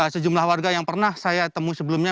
sejumlah warga yang pernah saya temui sebelumnya